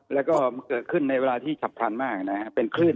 แล้วก็เกิดขึ้นในเวลาที่จับพันธุ์มากนะครับ